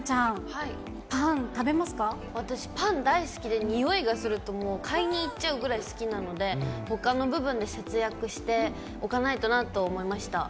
私、パン大好きで、匂いがすると、もう買いに行っちゃうぐらい好きなので、ほかの部分で節約しておかないとなと思いました。